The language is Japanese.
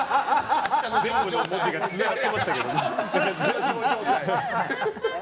全部の文字がつながってましたけども。